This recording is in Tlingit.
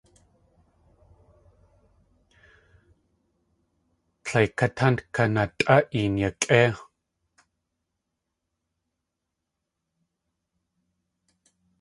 Tleikatánk kanatʼá een yakʼéi.